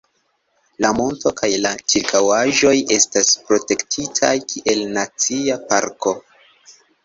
La monto kaj la ĉirkaŭaĵoj estas protektitaj kiel Nacia Parko.